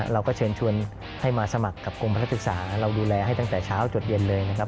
เราก็เชิญชวนให้มาสมัครกับกรมพนักศึกษาเราดูแลให้ตั้งแต่เช้าจดเย็นเลยนะครับ